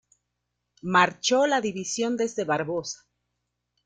Marchó la división desde Barbosa.